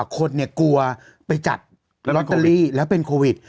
คนกลัวไปจัดลอตเตอรี่แล้วเป็นโควิด